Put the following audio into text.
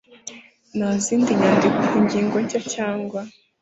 nta zindi nyandiko ingingo nshya cyangwa